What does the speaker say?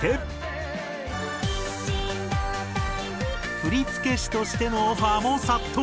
振付師としてのオファーも殺到。